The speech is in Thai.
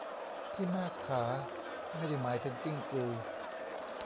พี่มากขา ไม่ได้หมายถึงกิ้งกือ